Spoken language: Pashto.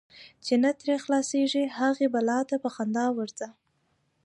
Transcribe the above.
چی نه ترې خلاصیږې، هغی بلا ته په خندا ورځه .